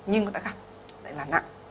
nhưng người ta gặp lại là nặng